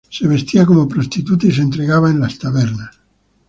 Se vestía como prostituta y se entregaba en las tabernas.